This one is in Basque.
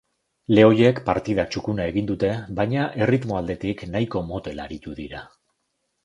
Lehoiek partida txukuna egin dute, baina erritmo aldetik nahiko motel aritu dira.